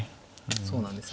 そうなんです。